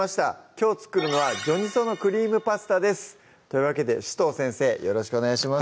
きょう作るのは「ギョニソのクリームパスタ」ですというわけで紫藤先生よろしくお願いします